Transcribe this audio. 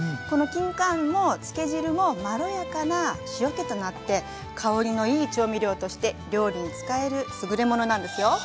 このきんかんも漬け汁もまろやかな塩けとなって香りのいい調味料として料理に使えるすぐれものなんですよ。